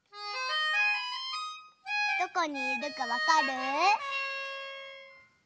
・どこにいるかわかる？